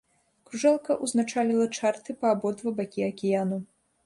Кружэлка ўзначаліла чарты па абодва бакі акіяну.